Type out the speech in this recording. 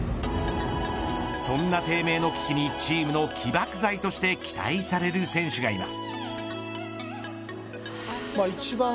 そんな低迷の危機に、チームの起爆剤として期待される選手がいます。